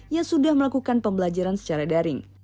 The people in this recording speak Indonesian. yang sudah melakukan pembelajaran secara daring